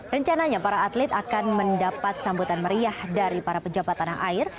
rencananya para atlet akan mendapat sambutan meriah dari para pejabat tanah air